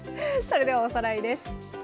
それではおさらいです。